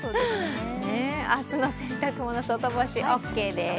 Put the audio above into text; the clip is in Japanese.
明日の洗濯物外干しオーケーです。